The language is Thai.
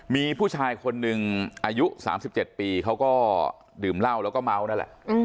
มีผู้ชายคนหนึ่งอายุ๓๗ปีเขาก็ดื่มเหล้าแล้วก็เมานั่นแหละ